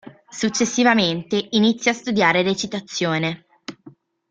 Successivamente, inizia a studiare recitazione.